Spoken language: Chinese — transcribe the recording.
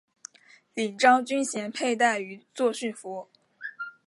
领章军衔佩戴于作训服。